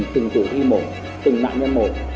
tình tử thi một tình mạng nhân một